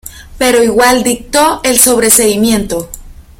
Pero igual dictó el sobreseimiento.